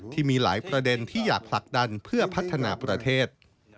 ที่มีหลายประเด็นที่อยากผลักดันเพื่อพัฒนาประเทศ